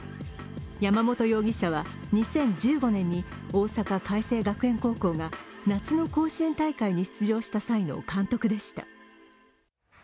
山本容疑者は２０１５年に大阪偕星学園高校が夏の甲子園大会に出場した際の監督でした。